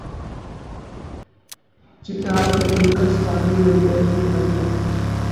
چترال کی دل کش وادی میں بہتی ندیاں